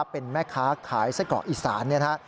เป็นแม่ค้าขายสะเกาะอิสาน